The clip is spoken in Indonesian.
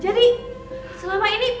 jadi selama ini